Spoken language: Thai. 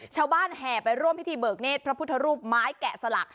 แห่ไปร่วมพิธีเบิกเนธพระพุทธรูปไม้แกะสลัก